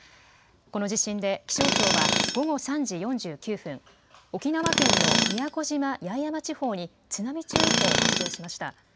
この地震で気象庁は午後３時４９分、沖縄県の宮古島・八重山地方に津波注意報を発表しました。